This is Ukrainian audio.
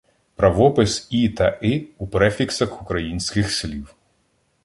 Правопис і та и у префіксах українських слів